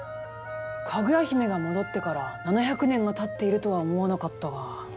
かぐや姫が戻ってから７００年が経っているとは思わなかったが。